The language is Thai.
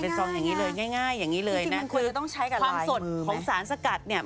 เป็นซองอย่างงี้เลยง่ายอย่างงี้เลยนะคือความสดของสารสกัดเนี่ย